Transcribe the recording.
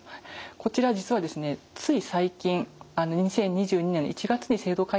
こちら実はですねつい最近２０２２年の１月に制度改正がありました。